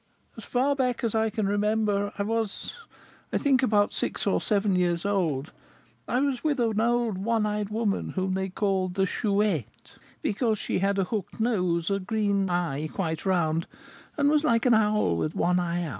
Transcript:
As far back as I can remember I was, I think, about six or seven years old I was with an old one eyed woman, whom they call the Chouette, because she had a hooked nose, a green eye quite round, and was like an owl with one eye out."